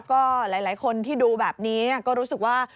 ก็หลายคนที่ดูแบบนี้ก็รู้สึกว่า